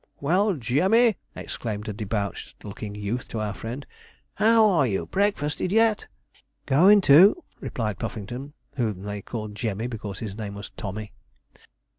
'Well, Jemmy!' exclaimed a debauched looking youth to our friend, 'how are you? breakfasted yet?' 'Going to,' replied Puffington, whom they called Jemmy because his name was Tommy.